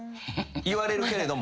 言われるけれども？